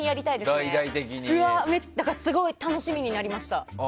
すごい楽しみになりました。